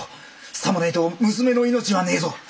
さもねえと娘の命はねえぞ。